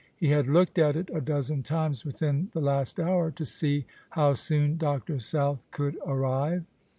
He had looked at it a dozen times within the last hour to see how soon Dr. South could arrive.